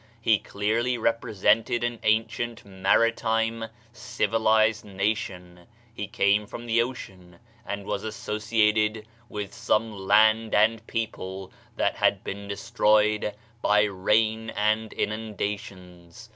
He clearly represented an ancient, maritime, civilized nation; he came from the ocean, and was associated with some land and people that had been destroyed by rain and inundations.